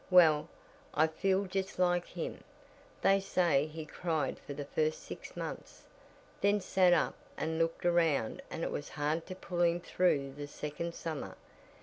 "Well, I feel just like him. They say he cried for the first six months, then sat up and looked around and it was hard to pull him through the second summer.